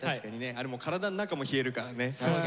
あれもう体ん中も冷えるからね。